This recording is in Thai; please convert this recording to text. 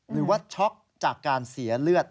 หรือว่าช็อกจากการเสียเลือด